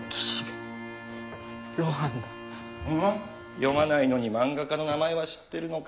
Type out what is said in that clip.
読まないのに漫画家の名前は知ってるのか。